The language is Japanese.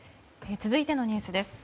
続いてのニュースです。